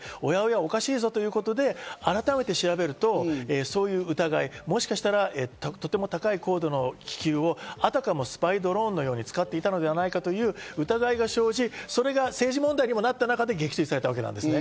おかしいぞということで改めて調べると、そういう疑い、もしかしたら、とても高い高度の気球をあたかも、スパイドローンのように使っていたのではないかという疑いが生じ、それが政治問題にもなった中で撃墜された。